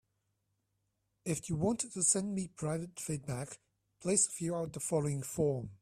If you want to send me private feedback, please fill out the following form.